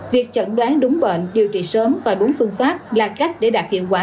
việc chẩn đoán đúng bệnh điều trị sớm và đúng phương pháp là cách để đạt hiệu quả